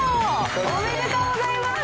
おめでとうございます。